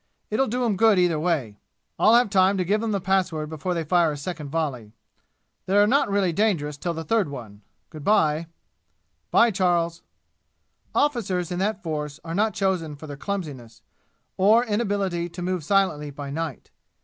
It'll do 'em good either way. I'll have time to give 'em the password before they fire a second volley. They're not really dangerous till the third one. Good by!" "By, Charles!" Officers in that force are not chosen for their clumsiness, or inability to move silently by night.